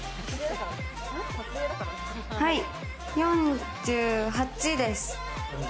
はい、４８です。